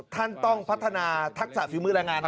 ท่านต้องพัฒนาทักษะฝีมือแรงงาน